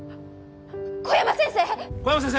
小山先生？